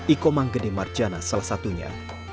iko manggede marjana salah satunya